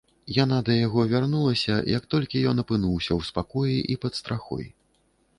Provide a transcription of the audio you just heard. Яна да яго вярнулася, як толькі ён апынуўся ў спакоі і пад страхой.